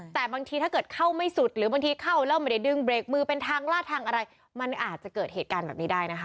แต่บางทีถ้าเกิดเข้าไม่สุดหรือบางทีเข้าแล้วไม่ได้ดึงเบรกมือเป็นทางลาดทางอะไรมันอาจจะเกิดเหตุการณ์แบบนี้ได้นะคะ